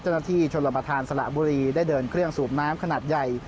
เจ้าหน้าที่ชนรับประทานสละบุรีได้เดินเครื่องสูบน้ำขนาดใหญ่